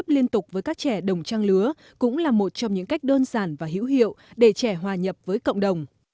liên tục với các trẻ đồng trang lứa cũng là một trong những cách đơn giản và hữu hiệu để trẻ hòa nhập với cộng đồng